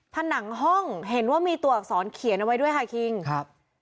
ผนังห้องเห็นว่ามีตัวอักษรเขียนเอาไว้ด้วยค่ะคิงครับ